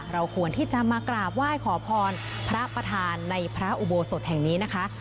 เราควรที่จะมากราบไหว้ขอพรพระประธานในพระอุโบสถแห่งนี้นะคะ